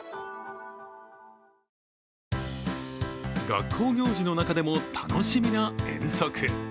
学校行事の中でも楽しみな遠足。